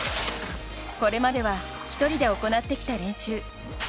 これまでは１人で行ってきた練習。